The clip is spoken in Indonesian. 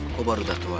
aku baru dah tua